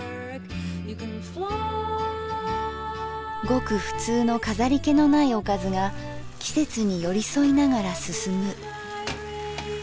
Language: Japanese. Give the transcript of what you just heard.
ごく普通の飾り気のないおかずが季節に寄り添いながら進む。